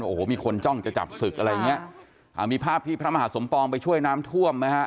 โอ้โหมีคนจ้องจะจับศึกอะไรอย่างเงี้ยอ่ามีภาพที่พระมหาสมปองไปช่วยน้ำท่วมไหมฮะ